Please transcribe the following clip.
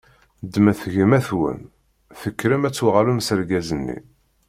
Ddmet gma-twen, tekkrem ad tuɣalem s argaz-nni.